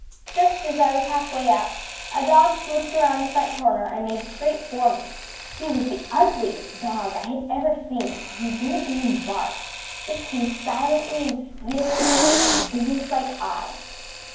Just as I was half way up, a dog swooped around the front corner and made straight for me. He was the ugliest dog I had ever seen; and he didn’t even bark just came silently and speedily on, with a business like eye.